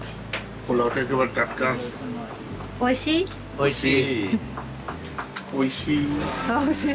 おいしい？